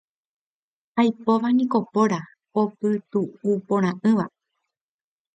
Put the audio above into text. Aipóva niko póra opytu'uporã'ỹva.